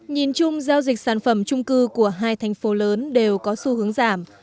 nhìn chung giao dịch sản phẩm trung cư của hai thành phố lớn đều có xu hướng giảm